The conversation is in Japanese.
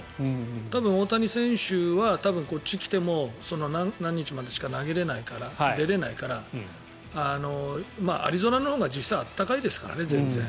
多分大谷選手はこっちに来ても何日までしか投げられない、出られないからアリゾナのほうが実際暖かいですからね、全然。